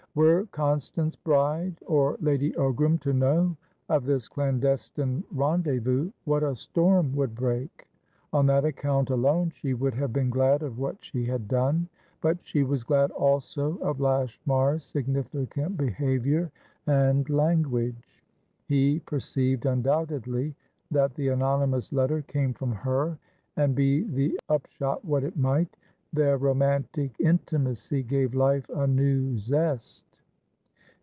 Were Constance Bride or Lady Ogram to know of this clandestine rendezvous, what a storm would break! On that account alone she would have been glad of what she had done. But she was glad, also, of Lashmar's significant behaviour and language. He perceived, undoubtedly, that the anonymous letter came from her, and, be the upshot what it might, their romantic intimacy gave life a new zest.